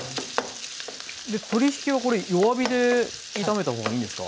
鶏ひきはこれ弱火で炒めたほうがいいんですか？